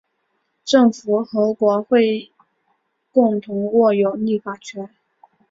政府和国会共同握有立法权。